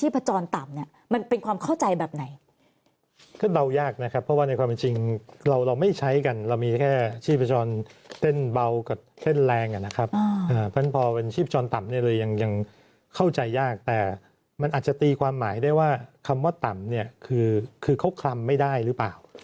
เพราะฉะนั้นพอเป็นชีพจรต่ำเนี่ยเลยยังเข้าใจยากแต่มันอาจจะตีความหมายได้ว่าคำว่าต่ำเนี่ยคือเขาคลำไม่ได้หรือเปล่า